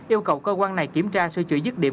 yêu cầu cơ quan này kiểm tra sửa chữa dứt điểm